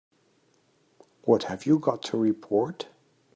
What have you got to report?